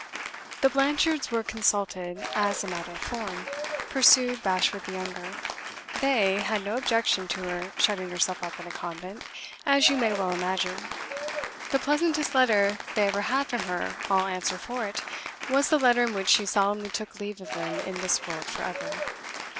"The Blanchards were consulted, as a matter of form," pursued Bashwood the younger. "They had no objection to her shutting herself up in a convent, as you may well imagine. The pleasantest letter they ever had from her, I'll answer for it, was the letter in which she solemnly took leave of them in this world forever.